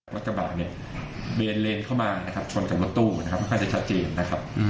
รถกระบะเบนเลนเข้ามาทับชนกับรถตู้ค่อนข้างจะชัดเจนนะครับ